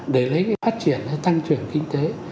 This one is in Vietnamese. để lấy cái phát triển tăng trưởng kinh tế